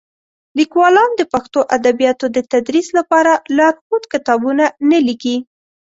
لیکوالان د پښتو ادبیاتو د تدریس لپاره لارښود کتابونه نه لیکي.